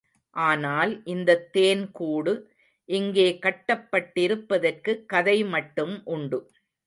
ஆனால் இந்தத் தேன் கூடு இங்கே கட்டப் பட்டிருப்பதற்குக் கதை மட்டும் உண்டு.